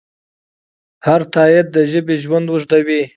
هر تایید د ژبې ژوند اوږدوي.